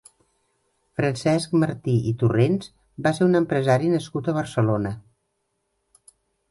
Francesc Martí i Torrents va ser un empresari nascut a Barcelona.